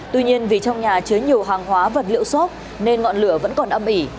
tuy nhiên vì trong nhà chứa nhiều hàng hóa vật liệu xốp nên ngọn lửa vẫn còn âm ỉ